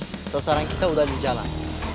terselesai dengan kita udah berjalan